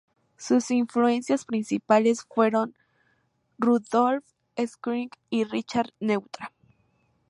Sus influencias principales fueron Rudolph Schindler y Richard Neutra.